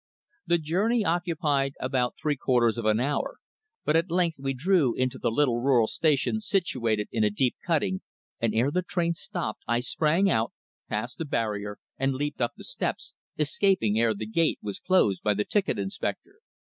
The journey occupied about three quarters of a hour, but at length we drew into the little rural station situated in a deep cutting, and ere the train stopped I sprang out, passed the barrier and leaped up the steps, escaping ere the gate was closed by the ticket inspector.